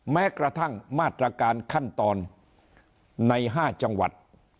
แม้กระทั่งมาตรการขั้นตอนใน๕จังหวัด